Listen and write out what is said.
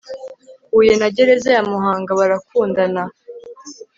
huye na gereza ya muhanga barakundana